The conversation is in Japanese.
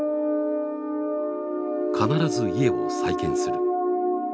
「必ず家を再建する」。